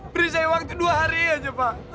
beri saya waktu dua hari aja pak